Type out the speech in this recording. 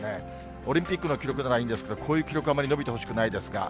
オリンピックの記録ではいいんですが、こういう記録はあまり伸びてほしくないですけど。